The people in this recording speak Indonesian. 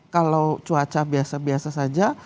kalau cuaca biasa biasa saja